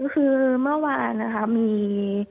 คือเมื่อวานนะคะมี